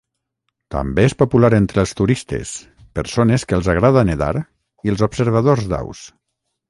També és popular entre els turistes, persones que els agrada nedar i els observadors d'aus.